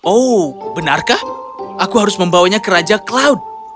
oh benarkah aku harus membawanya ke raja cloud